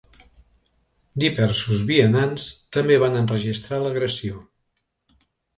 Diversos vianants també van enregistrar l’agressió.